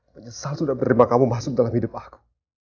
penyesal sudah menerima kamu masuk dalam hidup aku